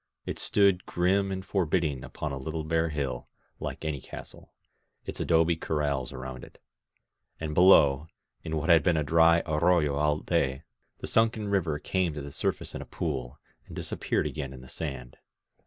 It stood grim and forbidding upon a little bare hill, like any castle, its adobe corrals around it; and below, in what had been a dry arroyo all day, th^ sunken river came to the sur face in a pool, and disappeared again in the sand.